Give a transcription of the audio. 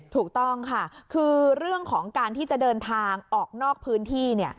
ถูกต้องค่ะคือเรื่องของการที่จะเดินทางออกนอกพื้นที่